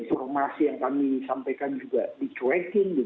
informasi yang kami sampaikan juga dicuekin